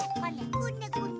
こねこね。